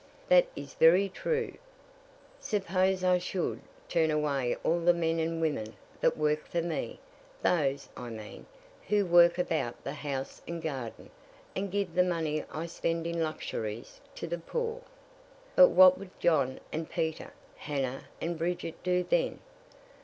"That is very true. Suppose I should turn away all the men and women that work for me, those, I mean, who work about the house and garden, and give the money I spend in luxuries to the poor." "But what would John and Peter, Hannah and Bridget do then?